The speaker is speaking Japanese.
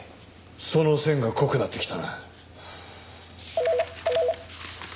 その線が濃くなってきたな。